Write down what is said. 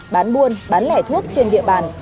bán buôn bán lẻ thuốc trên địa bàn